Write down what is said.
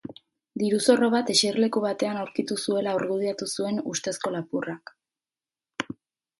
Diru-zorro bat eserleku batean aurkitu zuela argudiatu zuen ustezko lapurrak.